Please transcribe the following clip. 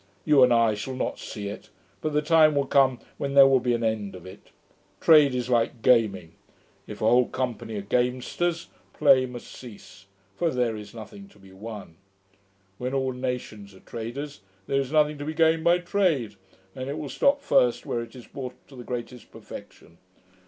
You and I shall not see it; but the time will come when there will be an end of it. Trade is like gaming. If a whole company are gamesters, play must cease; for there is nothing to be won. When all nations are traders, there is nothing to be gained by trade, and it will stop first where it is brought to the greatest perfection.